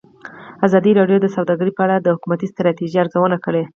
ازادي راډیو د سوداګري په اړه د حکومتي ستراتیژۍ ارزونه کړې.